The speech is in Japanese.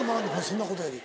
そんなことより。